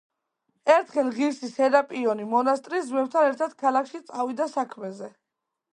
ერთხელ ღირსი სერაპიონი მონასტრის ძმებთან ერთად ქალაქში წავიდა საქმეზე.